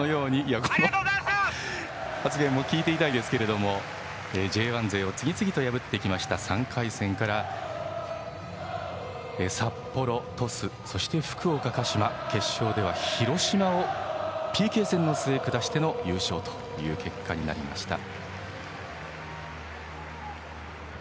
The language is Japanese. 三平の発言も聞いていたいですがＪ１勢を次々と破っていった３回戦から札幌、鳥栖、福岡、鹿島決勝では広島をＰＫ戦の末、下しての優勝という結果になりました。